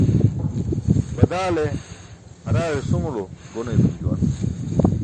Badaale haraaẏ ṣuṅulo gon eetum juwan.